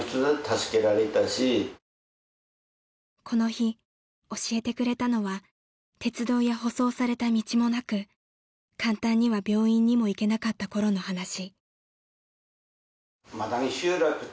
［この日教えてくれたのは鉄道や舗装された道もなく簡単には病院にも行けなかったころの話］